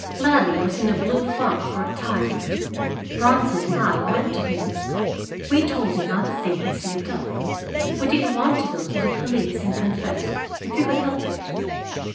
"Ladley was in a blue funk for a time. Bronson and I went to him. We told him how the thing had slipped up. We didn't want to go to the police and confess if we could help it.